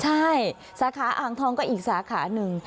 ใช่สาขาอ่างทองก็อีกสาขาหนึ่ง